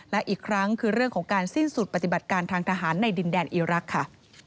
และอีกครั้งคือเรื่องของการสิ้นสุดปฏิบัติการทางทหารในดินแดนอีรักษ์ค่ะ